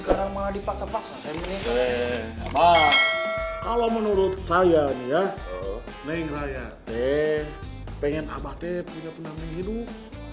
kalau menurut saya ya neng raya pengen abah t punya penamping hidup